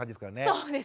そうですね。